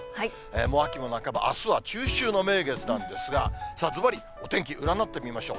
もう秋も半ば、あすは中秋の名月なんですが、ずばり、お天気、占ってみましょう。